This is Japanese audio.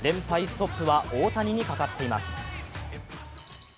ストップは大谷にかかっています。